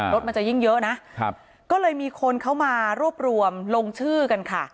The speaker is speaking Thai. รถมันจะยิ่งเยอะนะก็เลยมีคนเข้ามารวบรวมลงชื่อกันค่ะ